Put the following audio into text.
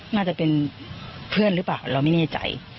น่าจะเป็นเพื่อนหรือเปล่าเราไม่แน่ใจ